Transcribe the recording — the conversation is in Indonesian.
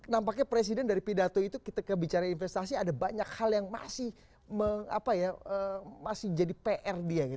nampaknya presiden dari pidato itu kita kebicaraan investasi ada banyak hal yang masih jadi pr dia